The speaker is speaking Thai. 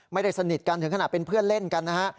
ไม่ได้สนิทกันถึงขนาดเป็นเพื่อนเล่นกันนะฮะ